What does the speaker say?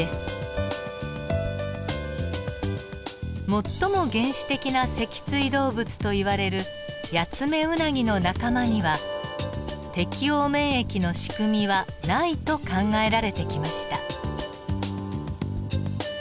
最も原始的な脊椎動物といわれるヤツメウナギの仲間には適応免疫のしくみはないと考えられてきました。